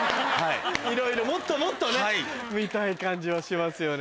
いろいろもっともっとね見たい感じはしますよね。